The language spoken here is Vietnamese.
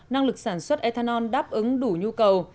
năng lực sản xuất ethanol đáp ứng đủ nhu cầu